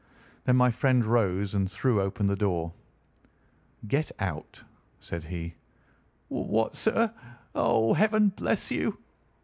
Then my friend rose and threw open the door. "Get out!" said he. "What, sir! Oh, Heaven bless you!"